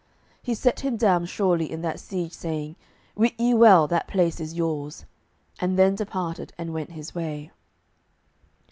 He set him down surely in that siege, saying, "Wit ye well that place is yours," and then, departed and went his way.